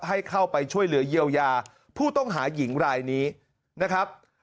ให้เข้าไปช่วยเหลือเยียวยาผู้ต้องหาหญิงรายนี้นะครับ